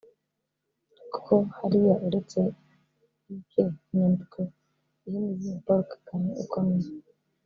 Kuko hariya uretse pk (inyandiko ihina izina Paul Kagame) ukomeye